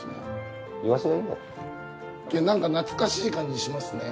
けどなんか懐かしい感じがしますね。